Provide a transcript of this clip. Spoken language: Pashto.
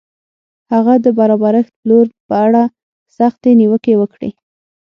هغه د برابرښت پلور په اړه سختې نیوکې وکړې.